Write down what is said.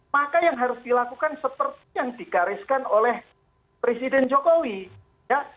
maka yang harus dilakukan seperti yang digariskan oleh presiden jokowi ya